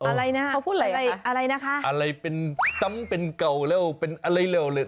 อะไรนะเขาพูดอะไรอะไรนะคะอะไรเป็นซ้ำเป็นเก่าแล้วเป็นอะไรเร็วเลย